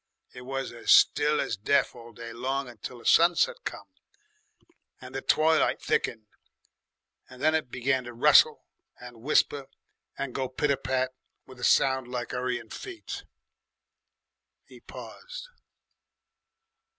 It was as still as death all day long, until the sunset came and the twilight thickened, and then it began to rustle and whisper and go pit a pat with a sound like 'urrying feet." He paused.